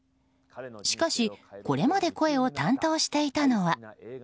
しかし、これまで声を担当していたのは。